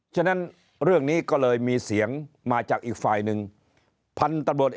ฉะนั้นเรื่องนี้ก็เลยมีเสียงมาจากอีกฝ่ายหนึ่ง